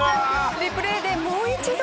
リプレイでもう一度。